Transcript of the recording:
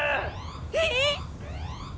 えっ！？